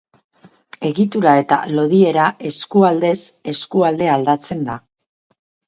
Egitura eta lodiera eskualdez eskualde aldatzen da.